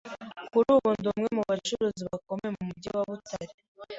Kuri ubu ndi umwe mu bacuruzi bakomeye mu mugi wa Butare,